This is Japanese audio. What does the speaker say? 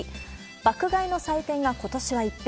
爆買いの祭典がことしは一変。